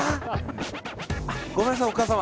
ごめんなさい、お母様。